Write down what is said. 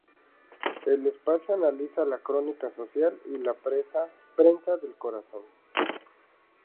El espacio analiza la crónica social y la prensa del corazón.